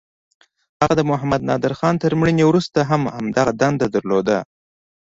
هغه د محمد نادرخان تر مړینې وروسته هم همدغه دنده درلوده.